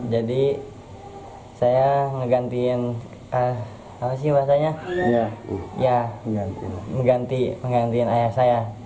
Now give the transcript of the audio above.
jadi saya mengganti ayah saya